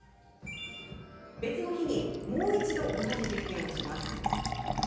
別の日にもう一度同じ実験をします。